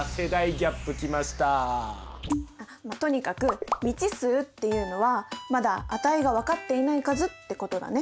まっとにかく未知数っていうのはまだ値が分かっていない数ってことだね。